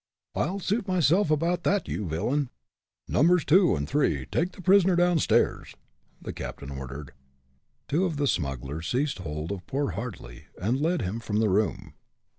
"I'll suit myself about that, you villain!" "Numbers two and three, take the prisoner down stairs!" the captain ordered. Two of the smugglers seized hold of poor Hartly, and led him from the room.